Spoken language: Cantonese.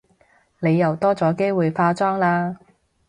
你又多咗機會化妝喇